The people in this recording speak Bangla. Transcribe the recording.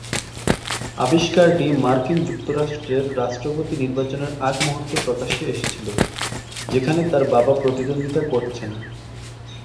আবিষ্কারটি মার্কিন যুক্তরাষ্ট্রের রাষ্ট্রপতি নির্বাচনের আগ মুহূর্তে প্রকাশ্যে এসেছিল, যেখানে তাঁর বাবা প্রতিদ্বন্দ্বিতা করছেন।